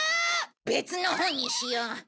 別の本にしよう。